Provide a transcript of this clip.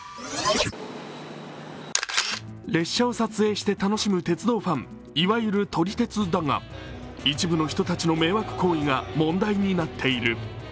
列車を撮影して楽しむファン、いわゆる撮り鉄だが一部の人たちの迷惑行為が問題になっている。